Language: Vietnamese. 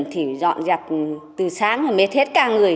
từ sáng mới thết ca người